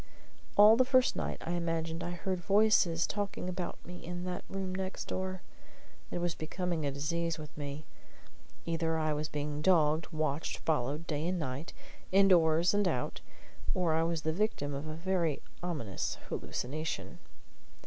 All the first night I imagined I heard voices talking about me in that room next door. It was becoming a disease with me. Either I was being dogged, watched, followed, day and night, indoors and out, or I was the victim of a very ominous hallucination.